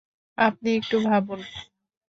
আপনি একটু ভাবুন।